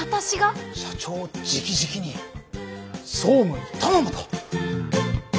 社長じきじきに総務に頼むと。